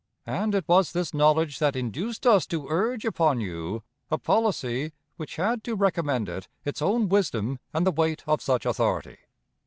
And it was this knowledge that induced us to urge upon you a policy which had to recommend it its own wisdom and the weight of such authority.